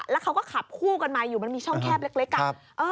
แล้วเขาก็ขับคู่กันมาอยู่มันมีช่องแคบเล็ก